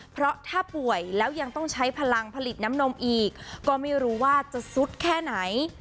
เพราะถ้าป่วยแล้วยังต้องใช้พลังผลิตน้ำนมอีกก็ไม่รู้ว่าจะซุดแค่ไหน